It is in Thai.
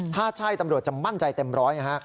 ถ้าใช่ตำรวจจะมั่นใจเต็มร้อยนะฮะ